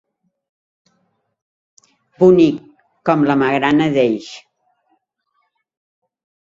Bonic, com la magrana d'Elx.